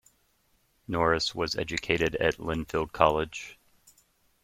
Norris was educated at Lynfield College.